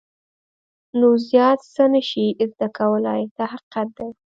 نو زیات څه نه شې زده کولای دا حقیقت دی.